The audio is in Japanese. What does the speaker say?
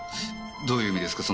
どういう意味ですか？